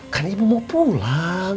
kan ibu mau pulang